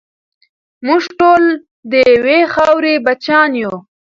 موږ ټول د یوې خاورې بچیان یو.